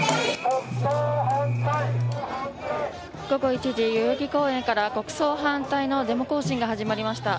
午後１時、代々木公園から国葬反対のデモ行進が始まりました。